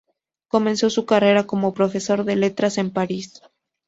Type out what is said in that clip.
Comenzó su carrera como profesor de letras en París.